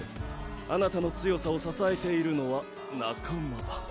あなたの強さを支えているのは仲間。